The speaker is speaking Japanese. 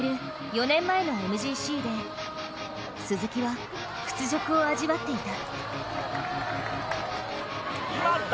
４年前のＭＧＣで鈴木は、屈辱を味わっていた。